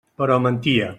Però mentia.